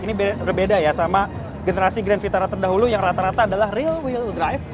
ini berbeda ya sama generasi grand vitara terdahulu yang rata rata adalah real will drive